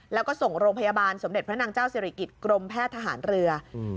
แล้วก็ส่งโรงพยาบาลสมเด็จพระนางเจ้าสิริกิจกรมแพทย์ทหารเรือ